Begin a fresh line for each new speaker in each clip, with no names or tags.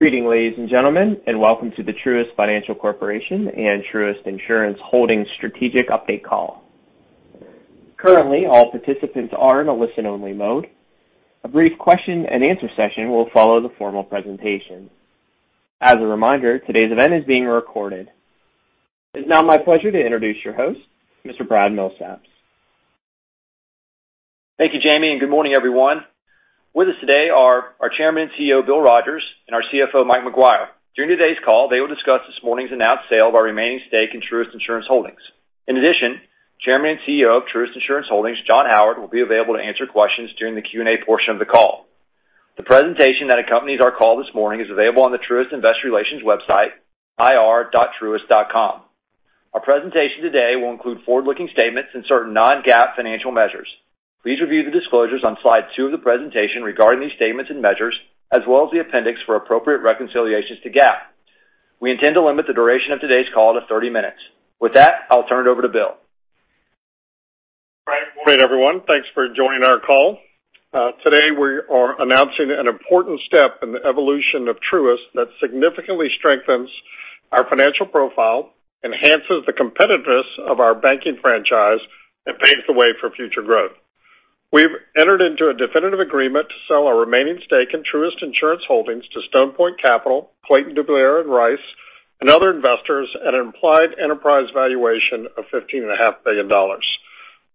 Greetings, ladies and gentlemen, and welcome to the Truist Financial Corporation and Truist Insurance Holdings strategic update call. Currently, all participants are in a listen-only mode. A brief question-and-answer session will follow the formal presentation. As a reminder, today's event is being recorded. It's now my pleasure to introduce your host, Mr. Brad Milsaps.
Thank you, Jamie, and good morning, everyone. With us today are our Chairman and CEO, Bill Rogers, and our CFO, Mike Maguire. During today's call, they will discuss this morning's announced sale of our remaining stake in Truist Insurance Holdings. In addition, Chairman and CEO of Truist Insurance Holdings, John Howard, will be available to answer questions during the Q&A portion of the call. The presentation that accompanies our call this morning is available on the Truist Investor Relations website, ir.truist.com. Our presentation today will include forward-looking statements and certain non-GAAP financial measures. Please review the disclosures on slide 2 of the presentation regarding these statements and measures, as well as the appendix for appropriate reconciliations to GAAP. We intend to limit the duration of today's call to 30 minutes. With that, I'll turn it over to Bill.
Great, everyone. Thanks for joining our call. Today, we are announcing an important step in the evolution of Truist that significantly strengthens our financial profile, enhances the competitiveness of our banking franchise, and paves the way for future growth. We've entered into a definitive agreement to sell our remaining stake in Truist Insurance Holdings to Stone Point Capital, Clayton, Dubilier & Rice, and other investors at an implied enterprise valuation of $15.5 billion.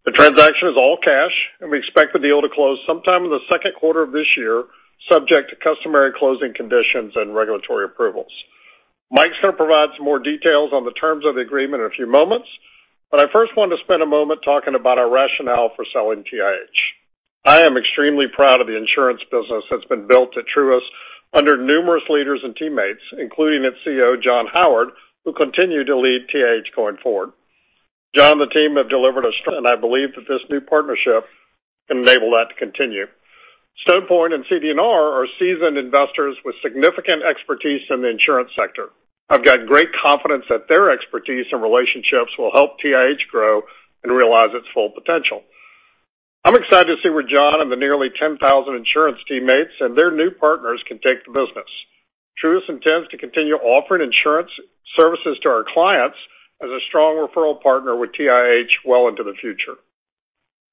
The transaction is all cash, and we expect the deal to close sometime in the second quarter of this year, subject to customary closing conditions and regulatory approvals. Mike's going to provide some more details on the terms of the agreement in a few moments, but I first want to spend a moment talking about our rationale for selling TIH. I am extremely proud of the insurance business that's been built at Truist under numerous leaders and teammates, including its CEO, John Howard, who continue to lead TIH going forward. John and the team have delivered. I believe that this new partnership can enable that to continue. Stone Point and CD&R are seasoned investors with significant expertise in the insurance sector. I've got great confidence that their expertise and relationships will help TIH grow and realize its full potential. I'm excited to see where John and the nearly 10,000 insurance teammates and their new partners can take the business. Truist intends to continue offering insurance services to our clients as a strong referral partner with TIH well into the future.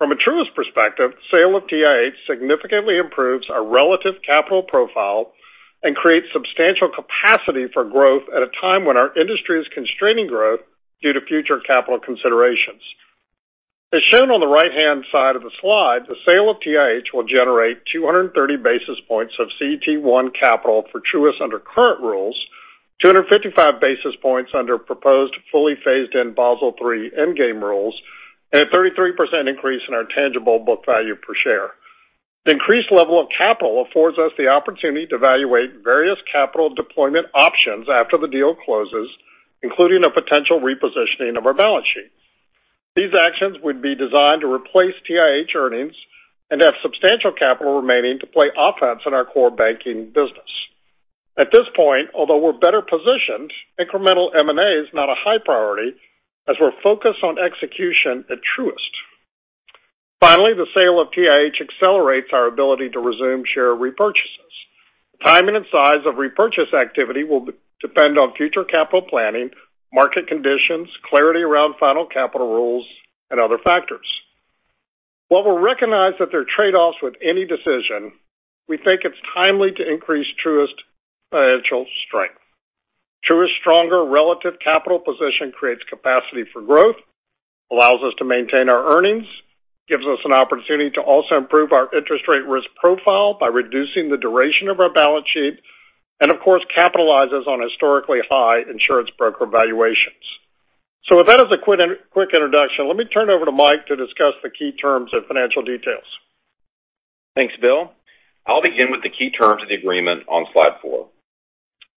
From a Truist perspective, the sale of TIH significantly improves our relative capital profile and creates substantial capacity for growth at a time when our industry is constraining growth due to future capital considerations. As shown on the right-hand side of the slide, the sale of TIH will generate 230 basis points of CET1 capital for Truist under current rules, 255 basis points under proposed fully phased-in Basel III Endgame rules, and a 33% increase in our tangible book value per share. The increased level of capital affords us the opportunity to evaluate various capital deployment options after the deal closes, including a potential repositioning of our balance sheet. These actions would be designed to replace TIH earnings and have substantial capital remaining to play offense in our core banking business. At this point, although we're better positioned, incremental M&A is not a high priority as we're focused on execution at Truist. Finally, the sale of TIH accelerates our ability to resume share repurchases. The timing and size of repurchase activity will depend on future capital planning, market conditions, clarity around final capital rules, and other factors. While we recognize that there are trade-offs with any decision, we think it's timely to increase Truist financial strength. Truist's stronger relative capital position creates capacity for growth, allows us to maintain our earnings, gives us an opportunity to also improve our interest rate risk profile by reducing the duration of our balance sheet, and, of course, capitalizes on historically high insurance broker valuations. So with that as a quick introduction, let me turn it over to Mike to discuss the key terms and financial details.
Thanks, Bill. I'll begin with the key terms of the agreement on slide four.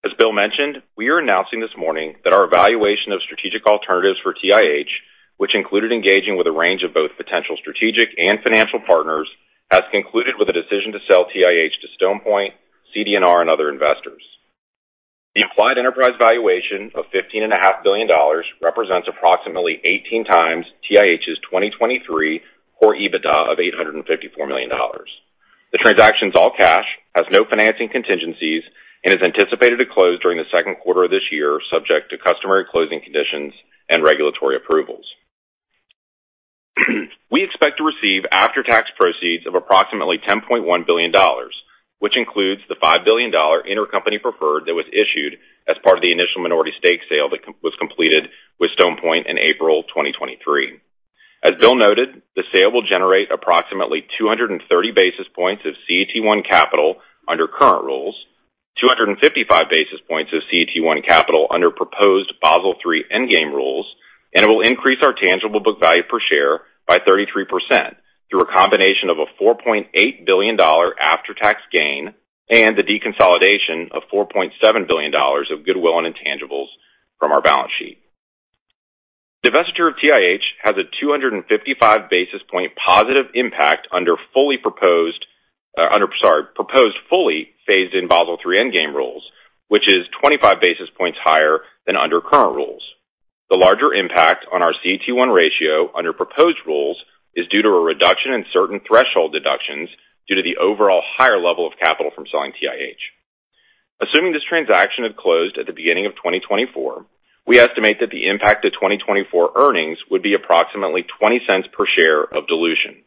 As Bill mentioned, we are announcing this morning that our evaluation of strategic alternatives for TIH, which included engaging with a range of both potential strategic and financial partners, has concluded with a decision to sell TIH to Stone Point, CD&R, and other investors. The implied enterprise valuation of $15.5 billion represents approximately 18x TIH's 2023 Core EBITDA of $854 million. The transaction's all cash, has no financing contingencies, and is anticipated to close during the second quarter of this year, subject to customary closing conditions and regulatory approvals. We expect to receive after-tax proceeds of approximately $10.1 billion, which includes the $5 billion Intercompany Preferred that was issued as part of the initial minority stake sale that was completed with Stone Point in April 2023. As Bill noted, the sale will generate approximately 230 basis points of CET1 capital under current rules, 255 basis points of CET1 capital under proposed Basel III Endgame rules, and it will increase our tangible book value per share by 33% through a combination of a $4.8 billion after-tax gain and the deconsolidation of $4.7 billion of goodwill and intangibles from our balance sheet. The divestiture of TIH has a 255 basis point positive impact under proposed fully phased-in Basel III Endgame rules, which is 25 basis points higher than under current rules. The larger impact on our CET1 ratio under proposed rules is due to a reduction in certain threshold deductions due to the overall higher level of capital from selling TIH. Assuming this transaction had closed at the beginning of 2024, we estimate that the impact to 2024 earnings would be approximately $0.20 per share of dilution.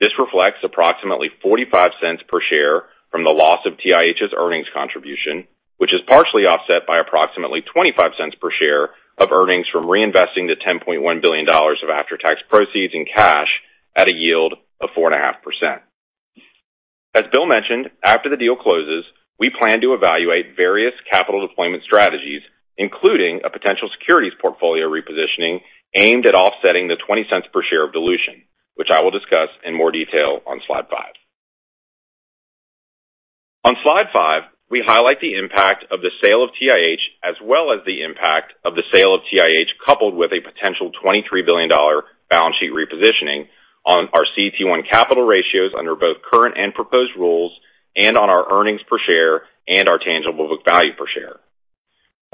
This reflects approximately $0.45 per share from the loss of TIH's earnings contribution, which is partially offset by approximately $0.25 per share of earnings from reinvesting the $10.1 billion of after-tax proceeds in cash at a yield of 4.5%. As Bill mentioned, after the deal closes, we plan to evaluate various capital deployment strategies, including a potential securities portfolio repositioning aimed at offsetting the $0.20 per share of dilution, which I will discuss in more detail on slide five. On slide five, we highlight the impact of the sale of TIH as well as the impact of the sale of TIH coupled with a potential $23 billion balance sheet repositioning on our CET1 capital ratios under both current and proposed rules and on our earnings per share and our tangible book value per share.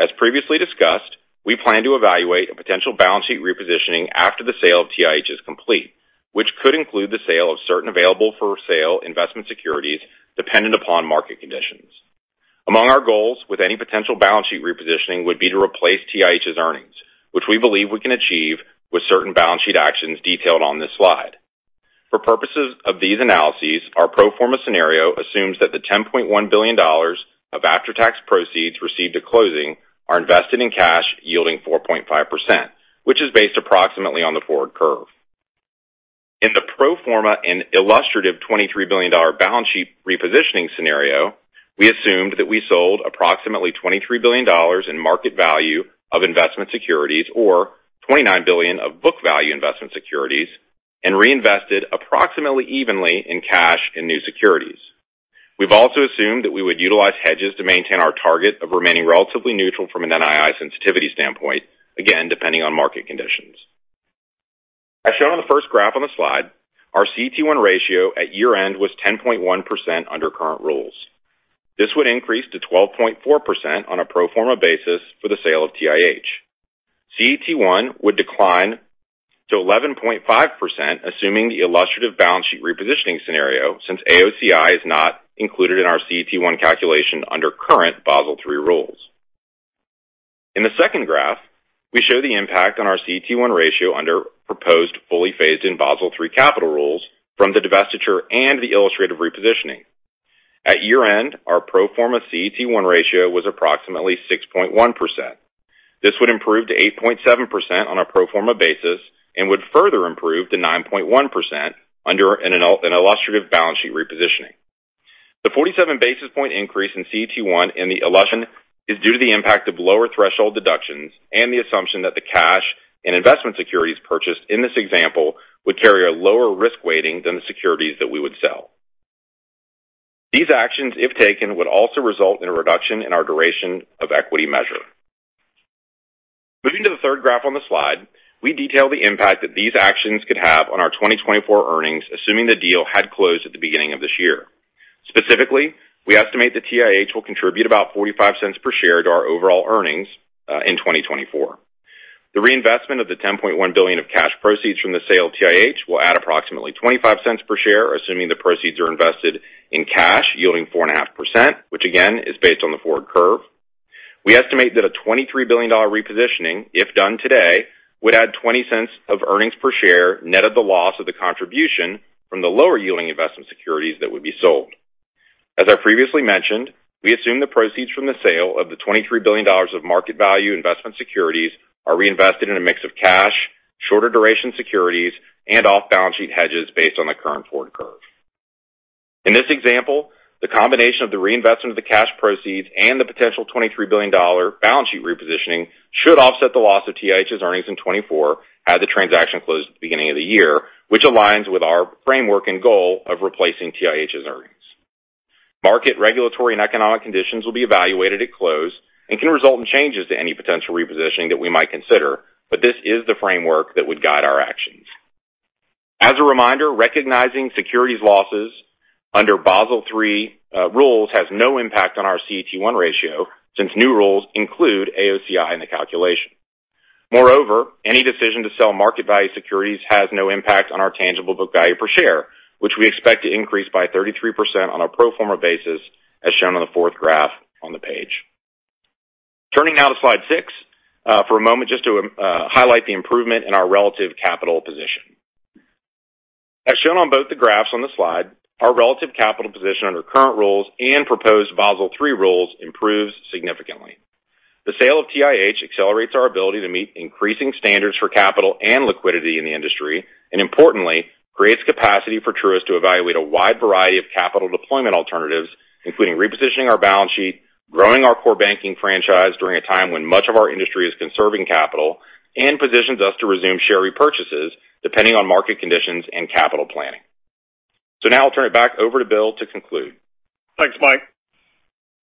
As previously discussed, we plan to evaluate a potential balance sheet repositioning after the sale of TIH is complete, which could include the sale of certain available-for-sale investment securities dependent upon market conditions. Among our goals with any potential balance sheet repositioning would be to replace TIH's earnings, which we believe we can achieve with certain balance sheet actions detailed on this slide. For purposes of these analyses, our pro forma scenario assumes that the $10.1 billion of after-tax proceeds received at closing are invested in cash yielding 4.5%, which is based approximately on the forward curve. In the pro forma and illustrative $23 billion balance sheet repositioning scenario, we assumed that we sold approximately $23 billion in market value of investment securities or $29 billion of book value investment securities and reinvested approximately evenly in cash and new securities. We've also assumed that we would utilize hedges to maintain our target of remaining relatively neutral from an NII sensitivity standpoint, again, depending on market conditions. As shown on the first graph on the slide, our CET1 ratio at year-end was 10.1% under current rules. This would increase to 12.4% on a pro forma basis for the sale of TIH. CET1 would decline to 11.5% assuming the illustrative balance sheet repositioning scenario since AOCI is not included in our CET1 calculation under current Basel III rules. In the second graph, we show the impact on our CET1 ratio under proposed fully phased-in Basel III capital rules from the divestiture and the illustrative repositioning. At year-end, our pro forma CET1 ratio was approximately 6.1%. This would improve to 8.7% on a pro forma basis and would further improve to 9.1% under an illustrative balance sheet repositioning. The 47 basis point increase in CET1 in the illustrative is due to the impact of lower threshold deductions and the assumption that the cash and investment securities purchased in this example would carry a lower risk weighting than the securities that we would sell. These actions, if taken, would also result in a reduction in our duration of equity measure. Moving to the third graph on the slide, we detail the impact that these actions could have on our 2024 earnings assuming the deal had closed at the beginning of this year. Specifically, we estimate that TIH will contribute about $0.45 per share to our overall earnings in 2024. The reinvestment of the $10.1 billion of cash proceeds from the sale of TIH will add approximately $0.25 per share assuming the proceeds are invested in cash yielding 4.5%, which again is based on the forward curve. We estimate that a $23 billion repositioning, if done today, would add $0.20 of earnings per share net of the loss of the contribution from the lower yielding investment securities that would be sold. As I previously mentioned, we assume the proceeds from the sale of the $23 billion of market value investment securities are reinvested in a mix of cash, shorter duration securities, and off-balance sheet hedges based on the current forward curve. In this example, the combination of the reinvestment of the cash proceeds and the potential $23 billion balance sheet repositioning should offset the loss of TIH's earnings in 2024 had the transaction closed at the beginning of the year, which aligns with our framework and goal of replacing TIH's earnings. Market, regulatory, and economic conditions will be evaluated at close and can result in changes to any potential repositioning that we might consider, but this is the framework that would guide our actions. As a reminder, recognizing securities losses under Basel III rules has no impact on our CET1 ratio since new rules include AOCI in the calculation. Moreover, any decision to sell market value securities has no impact on our tangible book value per share, which we expect to increase by 33% on a pro forma basis as shown on the fourth graph on the page. Turning now to slide six for a moment just to highlight the improvement in our relative capital position. As shown on both the graphs on the slide, our relative capital position under current rules and proposed Basel III rules improves significantly. The sale of TIH accelerates our ability to meet increasing standards for capital and liquidity in the industry and, importantly, creates capacity for Truist to evaluate a wide variety of capital deployment alternatives, including repositioning our balance sheet, growing our core banking franchise during a time when much of our industry is conserving capital, and positions us to resume share repurchases depending on market conditions and capital planning. Now I'll turn it back over to Bill to conclude.
Thanks, Mike.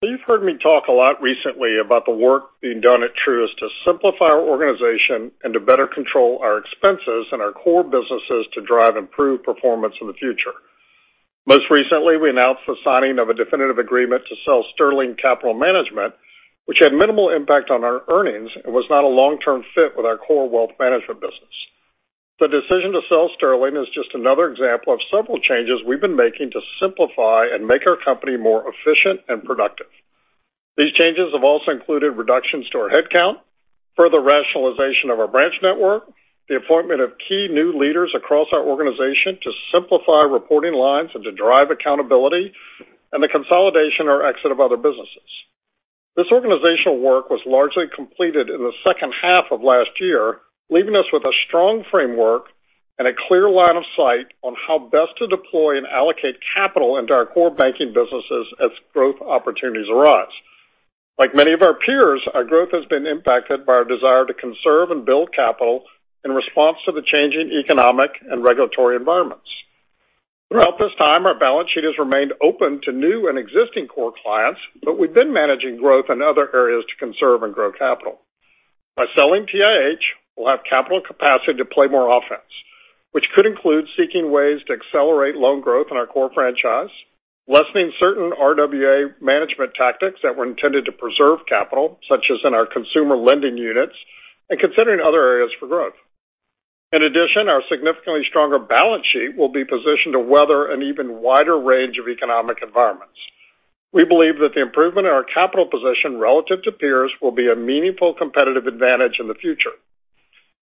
You've heard me talk a lot recently about the work being done at Truist to simplify our organization and to better control our expenses and our core businesses to drive improved performance in the future. Most recently, we announced the signing of a definitive agreement to sell Sterling Capital Management, which had minimal impact on our earnings and was not a long-term fit with our core wealth management business. The decision to sell Sterling is just another example of several changes we've been making to simplify and make our company more efficient and productive. These changes have also included reductions to our headcount, further rationalization of our branch network, the appointment of key new leaders across our organization to simplify reporting lines and to drive accountability, and the consolidation or exit of other businesses. This organizational work was largely completed in the second half of last year, leaving us with a strong framework and a clear line of sight on how best to deploy and allocate capital into our core banking businesses as growth opportunities arise. Like many of our peers, our growth has been impacted by our desire to conserve and build capital in response to the changing economic and regulatory environments. Throughout this time, our balance sheet has remained open to new and existing core clients, but we've been managing growth in other areas to conserve and grow capital. By selling TIH, we'll have capital capacity to play more offense, which could include seeking ways to accelerate loan growth in our core franchise, lessening certain RWA management tactics that were intended to preserve capital, such as in our consumer lending units, and considering other areas for growth. In addition, our significantly stronger balance sheet will be positioned to weather an even wider range of economic environments. We believe that the improvement in our capital position relative to peers will be a meaningful competitive advantage in the future.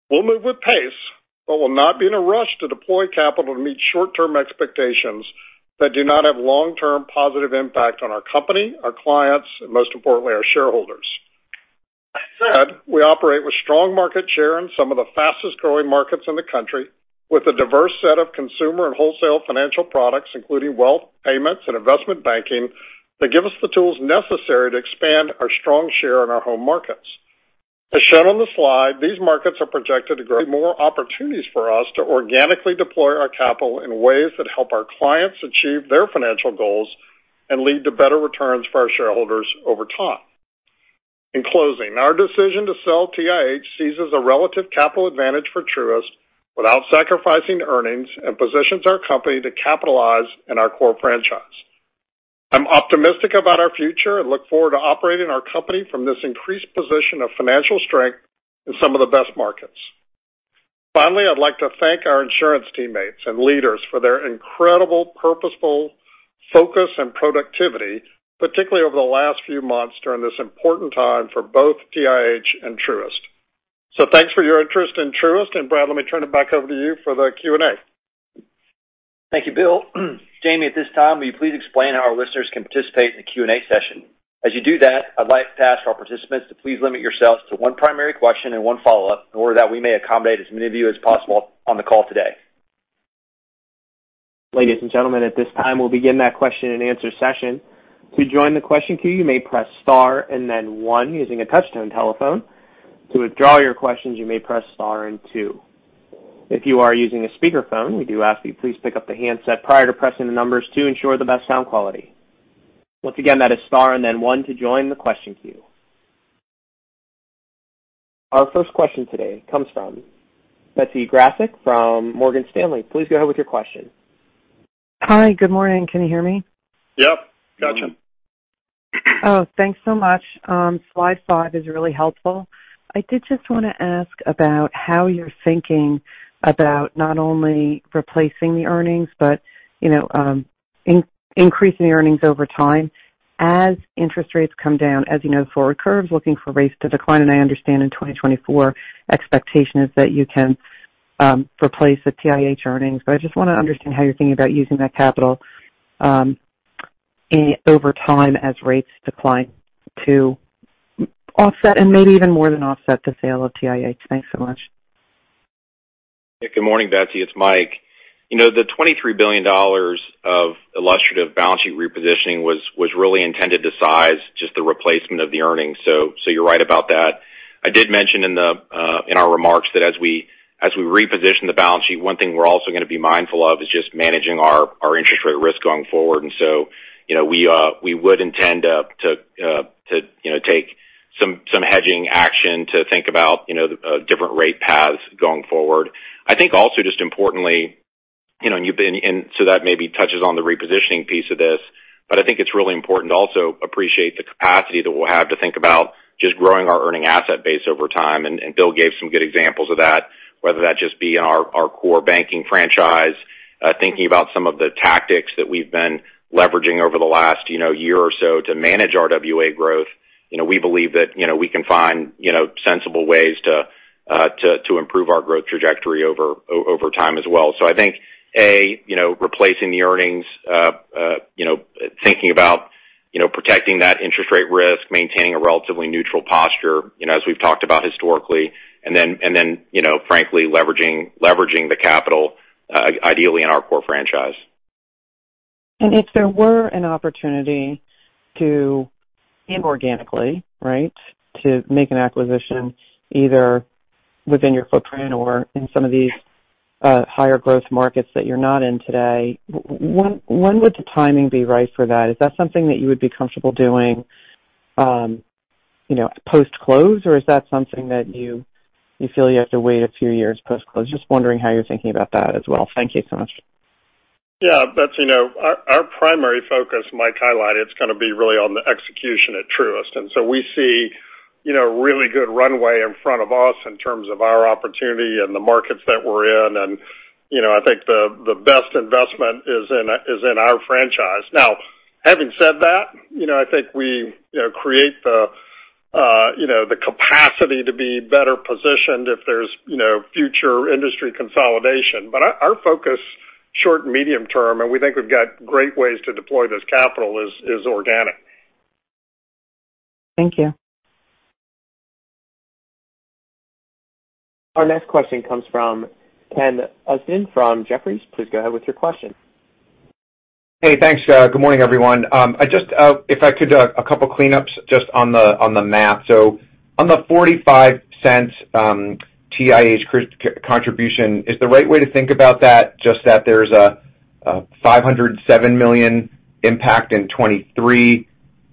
We'll move with pace, but we'll not be in a rush to deploy capital to meet short-term expectations that do not have long-term positive impact on our company, our clients, and most importantly, our shareholders. As said, we operate with strong market share in some of the fastest-growing markets in the country with a diverse set of consumer and wholesale financial products, including wealth, payments and investment banking, that give us the tools necessary to expand our strong share in our home markets. As shown on the slide, these markets are projected to create more opportunities for us to organically deploy our capital in ways that help our clients achieve their financial goals and lead to better returns for our shareholders over time. In closing, our decision to sell TIH seizes a relative capital advantage for Truist without sacrificing earnings and positions our company to capitalize in our core franchise. I'm optimistic about our future and look forward to operating our company from this increased position of financial strength in some of the best markets. Finally, I'd like to thank our insurance teammates and leaders for their incredible purposeful focus and productivity, particularly over the last few months during this important time for both TIH and Truist. So thanks for your interest in Truist, and Brad, let me turn it back over to you for the Q&A.
Thank you, Bill. Jamie, at this time, will you please explain how our listeners can participate in the Q&A session? As you do that, I'd like to ask our participants to please limit yourselves to one primary question and one follow-up in order that we may accommodate as many of you as possible on the call today.
Ladies and gentlemen, at this time, we'll begin that question and answer session. To join the question queue, you may press star and then one using a touch-tone telephone. To withdraw your questions, you may press star and two. If you are using a speakerphone, we do ask that you please pick up the handset prior to pressing the numbers to ensure the best sound quality. Once again, that is star and then one to join the question queue. Our first question today comes from Betsy Graseck from Morgan Stanley. Please go ahead with your question.
Hi. Good morning. Can you hear me?
Yep. Gotcha.
Oh, thanks so much. Slide five is really helpful. I did just want to ask about how you're thinking about not only replacing the earnings but increasing the earnings over time. As interest rates come down, as you know, forward curves, looking for rates to decline. And I understand in 2024, expectation is that you can replace the TIH earnings. But I just want to understand how you're thinking about using that capital over time as rates decline to offset and maybe even more than offset the sale of TIH. Thanks so much.
Yeah. Good morning, Betsy. It's Mike. The $23 billion of illustrative balance sheet repositioning was really intended to size just the replacement of the earnings, so you're right about that. I did mention in our remarks that as we reposition the balance sheet, one thing we're also going to be mindful of is just managing our interest rate risk going forward. And so we would intend to take some hedging action to think about different rate paths going forward. I think also just importantly and so that maybe touches on the repositioning piece of this, but I think it's really important to also appreciate the capacity that we'll have to think about just growing our earning asset base over time. Bill gave some good examples of that, whether that just be in our core banking franchise, thinking about some of the tactics that we've been leveraging over the last year or so to manage RWA growth. We believe that we can find sensible ways to improve our growth trajectory over time as well. So I think, A, replacing the earnings, thinking about protecting that interest rate risk, maintaining a relatively neutral posture as we've talked about historically, and then, frankly, leveraging the capital, ideally, in our core franchise.
If there were an opportunity inorganically, right, to make an acquisition either within your footprint or in some of these higher-growth markets that you're not in today, when would the timing be right for that? Is that something that you would be comfortable doing post-close, or is that something that you feel you have to wait a few years post-close? Just wondering how you're thinking about that as well. Thank you so much.
Yeah. Betsy, our primary focus, Mike highlighted, is going to be really on the execution at Truist. And so we see a really good runway in front of us in terms of our opportunity and the markets that we're in. And I think the best investment is in our franchise. Now, having said that, I think we create the capacity to be better positioned if there's future industry consolidation. But our focus, short and medium-term, and we think we've got great ways to deploy this capital, is organic.
Thank you.
Our next question comes from Ken Usdin from Jefferies. Please go ahead with your question.
Hey. Thanks. Good morning, everyone. If I could do a couple of cleanups just on the math. So on the $0.45 TIH contribution, is the right way to think about that, just that there's a $507 million impact in 2023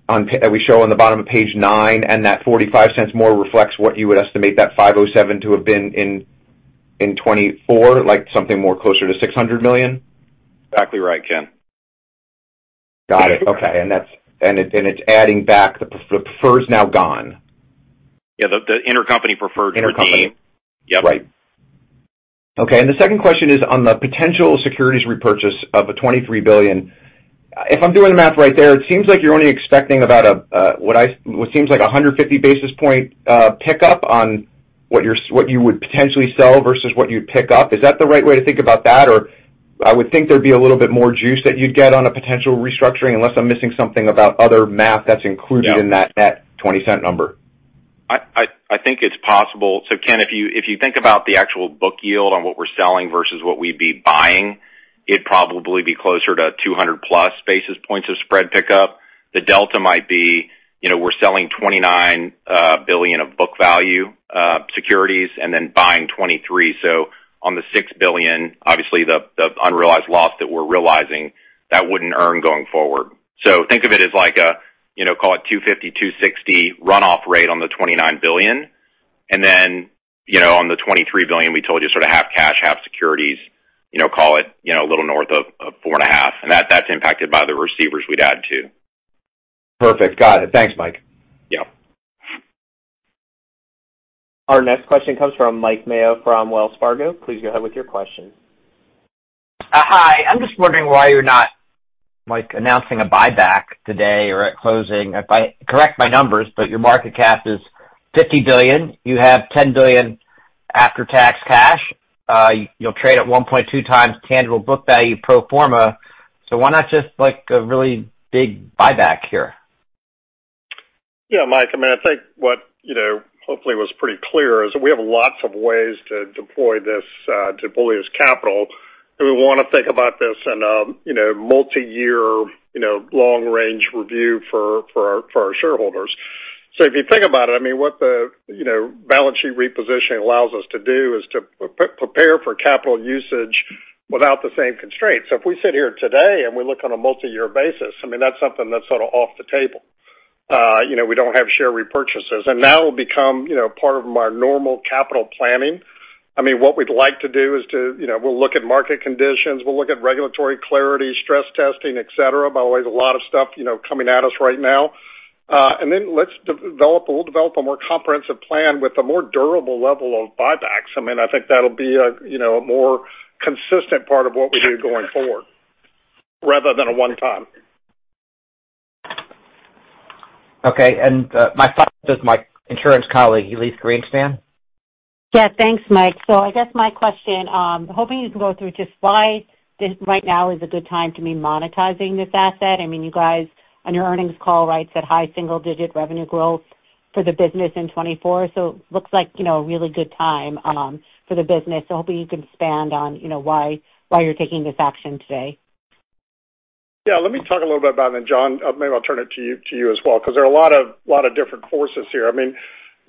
that we show on the bottom of page nine, and that $0.45 more reflects what you would estimate that $507 million to have been in 2024, something more closer to $600 million?
Exactly right, Ken.
Got it. Okay. And it's adding back the preferred is now gone.
Yeah. The intercompany preferred remained.
Intercompany.
Yep.
Right. Okay. And the second question is on the potential securities repurchase of $23 billion. If I'm doing the math right there, it seems like you're only expecting about what seems like a 150 basis points pickup on what you would potentially sell versus what you'd pick up. Is that the right way to think about that? Or I would think there'd be a little bit more juice that you'd get on a potential restructuring unless I'm missing something about other math that's included in that net $0.20 number.
I think it's possible. So, Ken, if you think about the actual book yield on what we're selling versus what we'd be buying, it'd probably be closer to 200+ basis points of spread pickup. The delta might be we're selling $29 billion of book value securities and then buying $23 billion. So on the $6 billion, obviously, the unrealized loss that we're realizing, that wouldn't earn going forward. So think of it as a call it 250, 260 runoff rate on the $29 billion. And then on the $23 billion, we told you sort of half cash, half securities, call it a little north of 4.5%. And that's impacted by the receivables we'd add too.
Perfect. Got it. Thanks, Mike.
Yep.
Our next question comes from Mike Mayo from Wells Fargo. Please go ahead with your question.
Hi. I'm just wondering why you're not announcing a buyback today or at closing. If I correct my numbers, but your market cap is $50 billion. You have $10 billion after-tax cash. You'll trade at 1.2x Tangible Book Value pro forma. So why not just a really big buyback here?
Yeah, Mike. I mean, I think what hopefully was pretty clear is that we have lots of ways to deploy this to bolster capital. And we want to think about this in a multi-year, long-range review for our shareholders. So if you think about it, I mean, what the balance sheet repositioning allows us to do is to prepare for capital usage without the same constraints. So if we sit here today and we look on a multi-year basis, I mean, that's something that's sort of off the table. We don't have share repurchases. And now it'll become part of our normal capital planning. I mean, what we'd like to do is we'll look at market conditions. We'll look at regulatory clarity, stress testing, etc. By the way, there's a lot of stuff coming at us right now. And then we'll develop a more comprehensive plan with a more durable level of buybacks. I mean, I think that'll be a more consistent part of what we do going forward rather than a one-time.
Okay. My follow-up is my insurance colleague, Elyse Greenspan.
Yeah. Thanks, Mike. So I guess my question, hoping you can go through just why right now is a good time to be monetizing this asset. I mean, you guys, on your earnings call, writes at high single-digit revenue growth for the business in 2024. So it looks like a really good time for the business. So hoping you can expand on why you're taking this action today.
Yeah. Let me talk a little bit about it, then, John. Maybe I'll turn it to you as well because there are a lot of different forces here. I mean,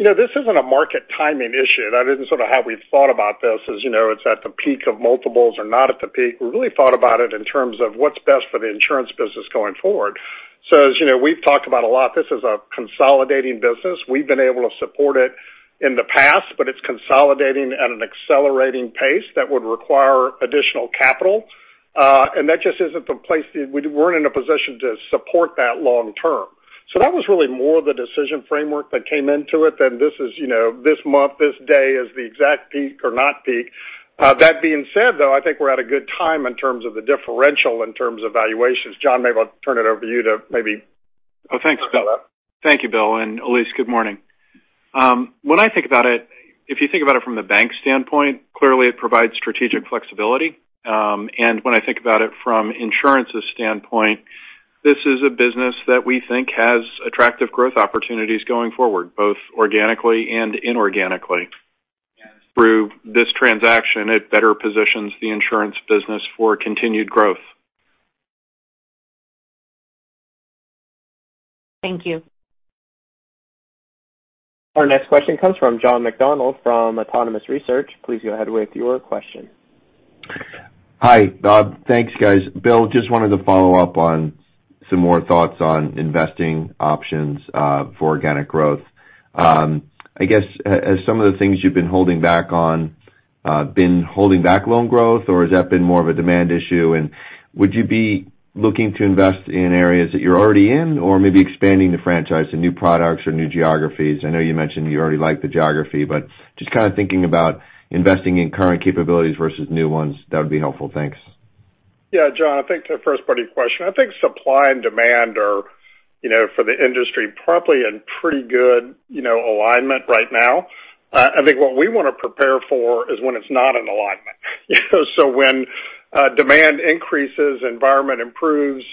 this isn't a market timing issue. That isn't sort of how we've thought about this, is it's at the peak of multiples or not at the peak. We really thought about it in terms of what's best for the insurance business going forward. So as we've talked about a lot, this is a consolidating business. We've been able to support it in the past, but it's consolidating at an accelerating pace that would require additional capital. And that just isn't the place we weren't in a position to support that long-term. So that was really more the decision framework that came into it than this month, this day is the exact peak or not peak. That being said, though, I think we're at a good time in terms of the differential in terms of valuations. John, maybe I'll turn it over to you to maybe talk about that.
Oh, thanks, Bill. Thank you, Bill. And Elyse, good morning. When I think about it, if you think about it from the bank standpoint, clearly, it provides strategic flexibility. And when I think about it from insurance's standpoint, this is a business that we think has attractive growth opportunities going forward, both organically and inorganically. And through this transaction, it better positions the insurance business for continued growth.
Thank you.
Our next question comes from John McDonald from Autonomous Research. Please go ahead with your question.
Hi, Bob. Thanks, guys. Bill, just wanted to follow up on some more thoughts on investing options for organic growth. I guess, have some of the things you've been holding back on been holding back loan growth, or has that been more of a demand issue? And would you be looking to invest in areas that you're already in or maybe expanding the franchise to new products or new geographies? I know you mentioned you already like the geography, but just kind of thinking about investing in current capabilities versus new ones, that would be helpful. Thanks.
Yeah, John, I think to first-party question, I think supply and demand are for the industry probably in pretty good alignment right now. I think what we want to prepare for is when it's not in alignment. So when demand increases, environment improves,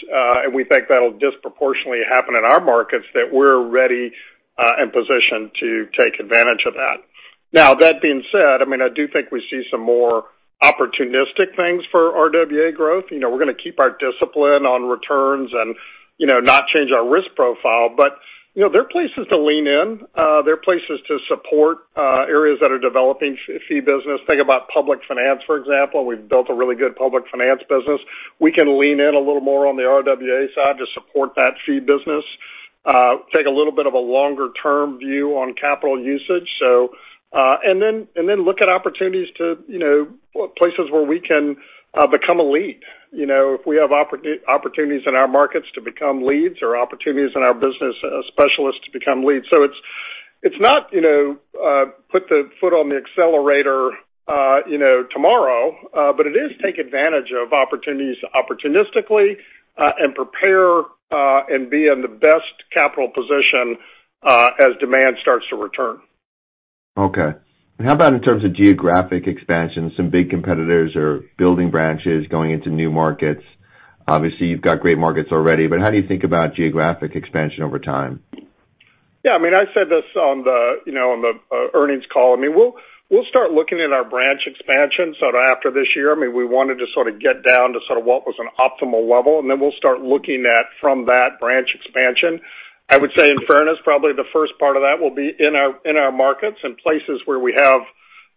and we think that'll disproportionately happen in our markets, that we're ready and positioned to take advantage of that. Now, that being said, I mean, I do think we see some more opportunistic things for RWA growth. We're going to keep our discipline on returns and not change our risk profile. But there are places to lean in. There are places to support areas that are developing fee business. Think about public finance, for example. We've built a really good public finance business. We can lean in a little more on the RWA side to support that fee business, take a little bit of a longer-term view on capital usage, and then look at opportunities to places where we can become a lead, if we have opportunities in our markets to become leads or opportunities in our business specialists to become leads. So it's not put the foot on the accelerator tomorrow, but it is take advantage of opportunities opportunistically and prepare and be in the best capital position as demand starts to return.
Okay. How about in terms of geographic expansion? Some big competitors are building branches, going into new markets. Obviously, you've got great markets already, but how do you think about geographic expansion over time?
Yeah. I mean, I said this on the earnings call. I mean, we'll start looking at our branch expansion sort of after this year. I mean, we wanted to sort of get down to sort of what was an optimal level, and then we'll start looking at from that branch expansion. I would say, in fairness, probably the first part of that will be in our markets and places where we have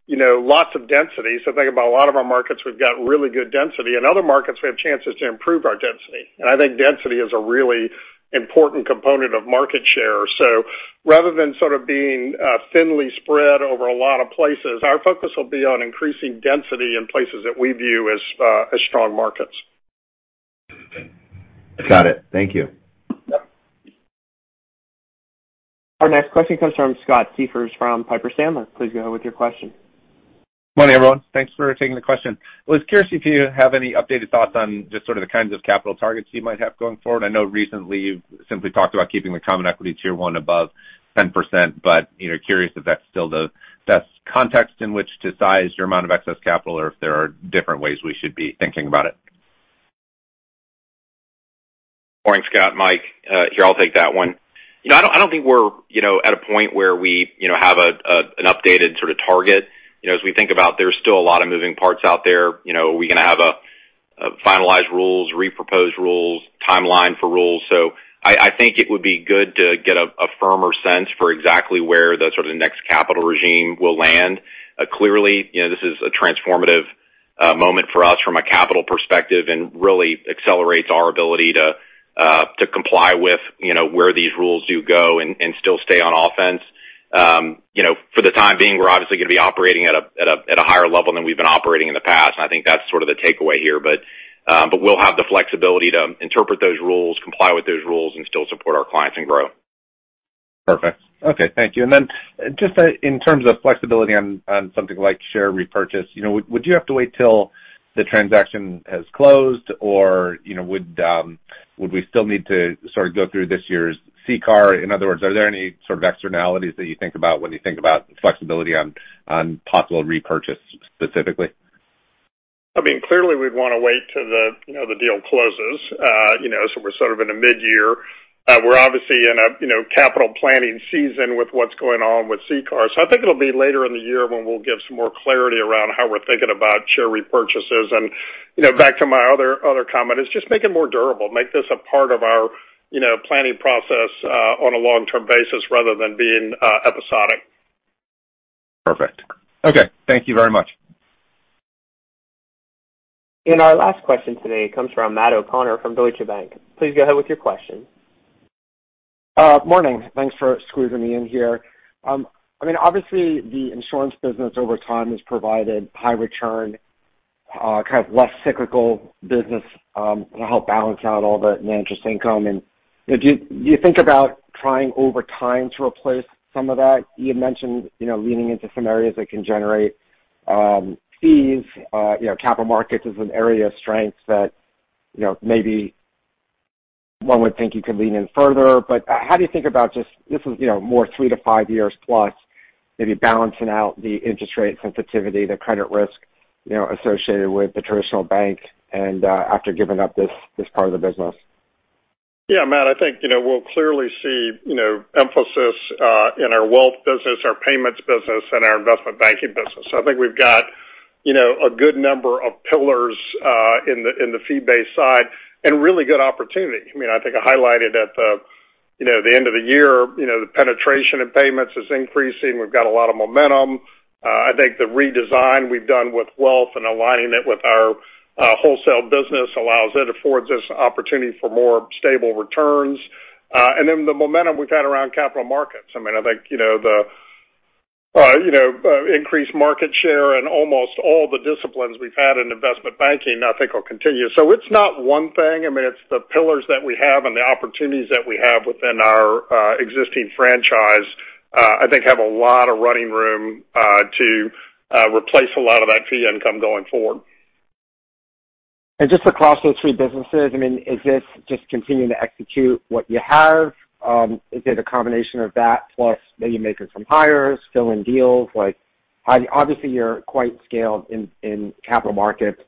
lots of density. So think about a lot of our markets, we've got really good density. In other markets, we have chances to improve our density. And I think density is a really important component of market share. So rather than sort of being thinly spread over a lot of places, our focus will be on increasing density in places that we view as strong markets.
Got it. Thank you.
Our next question comes from Scott Siefers from Piper Sandler. Please go ahead with your question.
Morning, everyone. Thanks for taking the question. I was curious if you have any updated thoughts on just sort of the kinds of capital targets you might have going forward. I know recently, you've simply talked about keeping the Common Equity Tier 1 above 10%, but curious if that's still the best context in which to size your amount of excess capital or if there are different ways we should be thinking about it.
Morning, Scott, Mike. Here, I'll take that one. I don't think we're at a point where we have an updated sort of target. As we think about, there's still a lot of moving parts out there. Are we going to have finalized rules, reproposed rules, timeline for rules? So I think it would be good to get a firmer sense for exactly where the sort of next capital regime will land. Clearly, this is a transformative moment for us from a capital perspective and really accelerates our ability to comply with where these rules do go and still stay on offense. For the time being, we're obviously going to be operating at a higher level than we've been operating in the past. I think that's sort of the takeaway here. But we'll have the flexibility to interpret those rules, comply with those rules, and still support our clients and grow.
Perfect. Okay. Thank you. And then just in terms of flexibility on something like share repurchase, would you have to wait till the transaction has closed, or would we still need to sort of go through this year's CCAR? In other words, are there any sort of externalities that you think about when you think about flexibility on possible repurchase specifically?
I mean, clearly, we'd want to wait till the deal closes. So we're sort of in a mid-year. We're obviously in a capital planning season with what's going on with CCAR. So I think it'll be later in the year when we'll give some more clarity around how we're thinking about share repurchases. And back to my other comment, it's just make it more durable. Make this a part of our planning process on a long-term basis rather than being episodic.
Perfect. Okay. Thank you very much.
Our last question today comes from Matt O'Connor from Deutsche Bank. Please go ahead with your question.
Morning. Thanks for squeezing me in here. I mean, obviously, the insurance business over time has provided high return, kind of less cyclical business to help balance out all the managers' income. And do you think about trying over time to replace some of that? You had mentioned leaning into some areas that can generate fees. Capital markets is an area of strength that maybe one would think you could lean in further. But how do you think about just this is more 3 years-5 years plus, maybe balancing out the interest rate sensitivity, the credit risk associated with the traditional bank, and after giving up this part of the business?
Yeah, Matt. I think we'll clearly see emphasis in our wealth business, our payments business, and our investment banking business. So I think we've got a good number of pillars in the fee-based side and really good opportunity. I mean, I think I highlighted at the end of the year, the penetration of payments is increasing. We've got a lot of momentum. I think the redesign we've done with wealth and aligning it with our wholesale business allows it, affords us opportunity for more stable returns. And then the momentum we've had around capital markets. I mean, I think the increased market share and almost all the disciplines we've had in investment banking, I think, will continue. So it's not one thing. I mean, it's the pillars that we have and the opportunities that we have within our existing franchise, I think, have a lot of running room to replace a lot of that fee income going forward.
Just across those three businesses, I mean, is this just continuing to execute what you have? Is it a combination of that plus maybe making some hires, filling deals? Obviously, you're quite scaled in capital markets.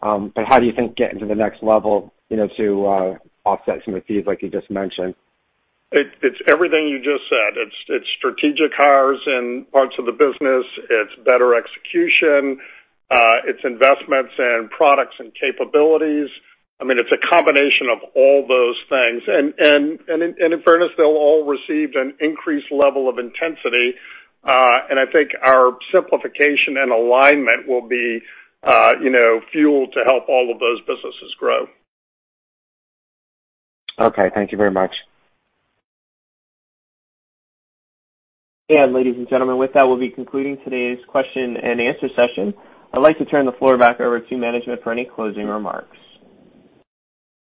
But how do you think getting to the next level to offset some of the fees like you just mentioned?
It's everything you just said. It's strategic hires in parts of the business. It's better execution. It's investments in products and capabilities. I mean, it's a combination of all those things. And in fairness, they'll all receive an increased level of intensity. And I think our simplification and alignment will be fuel to help all of those businesses grow.
Okay. Thank you very much.
Ladies and gentlemen, with that, we'll be concluding today's question and answer session. I'd like to turn the floor back over to management for any closing remarks.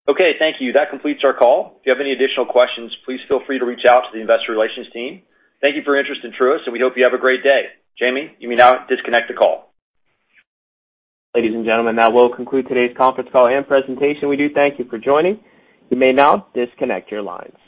Okay. Thank you. That completes our call. If you have any additional questions, please feel free to reach out to the investor relations team. Thank you for your interest in Truist, and we hope you have a great day. Jamie, you may now disconnect the call.
Ladies and gentlemen, that will conclude today's conference call and presentation. We do thank you for joining. You may now disconnect your lines.